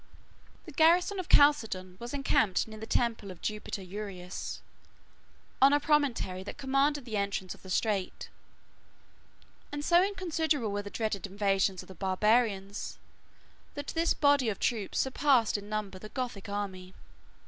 The garrison of Chalcedon was encamped near the temple of Jupiter Urius, on a promontory that commanded the entrance of the Strait; and so inconsiderable were the dreaded invasions of the barbarians that this body of troops surpassed in number the Gothic army.